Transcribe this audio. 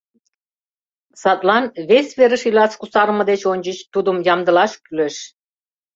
Садлан вес верыш илаш кусарыме деч ончыч тудым ямдылаш кӱлеш.